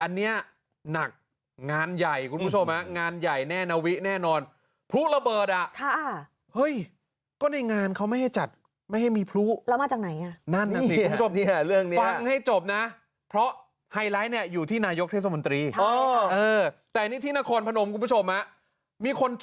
อันนี้หนักงานใหญ่คุณผู้ชมงานใหญ่แน่นะวิแน่นอน